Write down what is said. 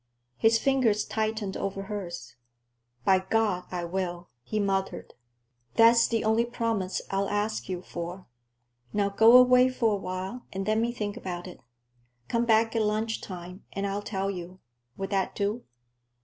His fingers tightened on hers. "By God, I will!" he muttered. "That's the only promise I'll ask you for. Now go away for a while and let me think about it. Come back at lunchtime and I'll tell you. Will that do?"